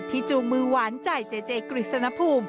ที่จูงมือหวานใจเจ๊กริษณภูมิ